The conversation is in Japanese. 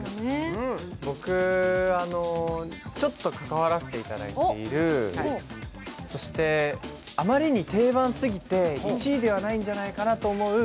僕、ちょっと関わらせていただいているそして、あまりに定番過ぎて１位ではないんじゃないかなと思う